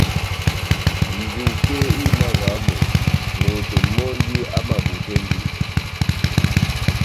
Njuke ihimavaha moto, moto mɔ́ndi amabutɛ njuke.